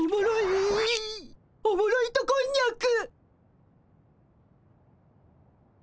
おもろ糸こんにゃく。